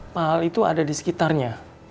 pak al itu ada disekitarnya